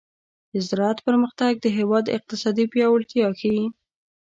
د زراعت پرمختګ د هېواد اقتصادي پیاوړتیا ښيي.